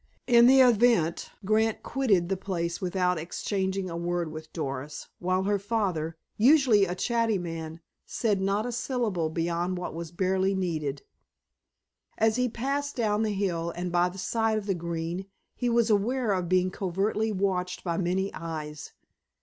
In the event, Grant quitted the place without exchanging a word with Doris, while her father, usually a chatty man, said not a syllable beyond what was barely needed. As he passed down the hill and by the side of the Green he was aware of being covertly watched by many eyes.